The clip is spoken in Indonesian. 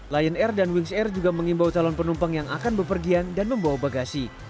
lion air dan wings air juga mengimbau calon penumpang yang akan bepergian dan membawa bagasi